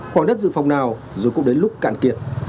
khoảng đất dự phòng nào rồi cũng đến lúc cạn kiệt